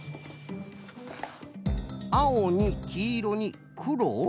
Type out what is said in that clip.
あおにきいろにくろ？